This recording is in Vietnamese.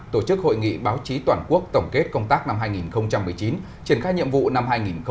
tổ chức hội nghị báo chí toàn quốc tổng kết công tác năm hai nghìn một mươi chín triển khai nhiệm vụ năm hai nghìn hai mươi